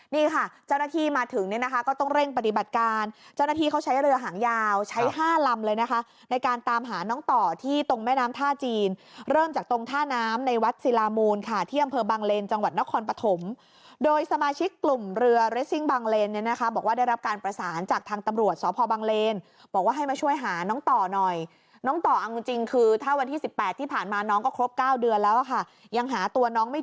นี่ค่ะเจ้าหน้าที่มาถึงนี่นะคะก็ต้องเร่งปฏิบัติการเจ้าหน้าที่เขาใช้เรือหางยาวใช้๕ลำเลยนะคะในการตามหาน้องต่อที่ตรงแม่น้ำท่าจีนเริ่มจากตรงท่าน้ำในวัดสิรามูลค่ะที่อำเภอบังเลนจังหวัดนครปฐมโดยสมาชิกกลุ่มเรือเรสซิ่งบังเลนเนี่ยนะคะบอกว่าได้รับการประสานจากทางตำรวจศพบังเลนบอกว่าให้